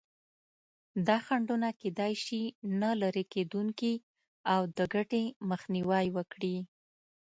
دا خنډونه کېدای شي نه لرې کېدونکي او د ګټې مخنیوی وکړي.